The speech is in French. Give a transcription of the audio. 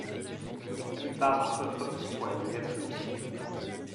La plupart d'entre eux optent pour la deuxième solution.